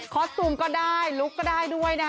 สตูมก็ได้ลุกก็ได้ด้วยนะคะ